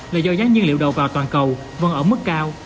là do giá nhiên liệu đầu vào toàn cầu vẫn ở mức cao